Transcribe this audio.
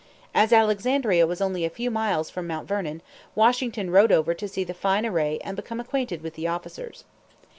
As Alexandria was only a few miles from Mount Vernon, Washington rode over to see the fine array and become acquainted with the officers.